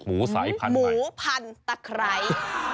หมูสายพันธุ์หมูพันตะไคร้